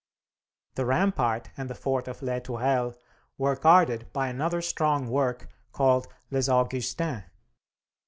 The rampart and the fort of Les Tourelles were guarded by another strong work called Les Augustins.